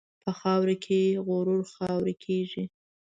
په خاوره کې غرور خاورې کېږي.